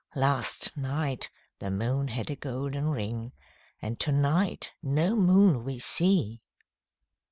'Last night, the moon had a golden ring, And to night no moon we see!'